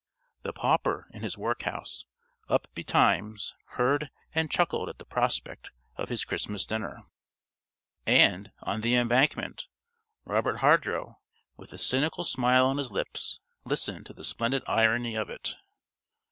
The Pauper in his workhouse, up betimes, heard, and chuckled at the prospect of his Christmas dinner.... And, on the Embankment, Robert Hardrow, with a cynical smile on his lips, listened to the splendid irony of it.